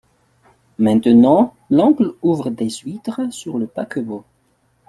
Maintenant, l'oncle ouvre des huîtres sur le paquebot.